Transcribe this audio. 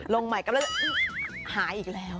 ลงใหม่กำลังจะหายอีกแล้ว